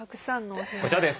こちらです。